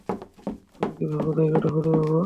তুমি কি ভাবো জায়গাটা খুঁজে পাব?